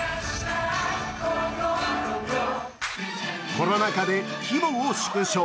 コロナ禍で規模を縮小。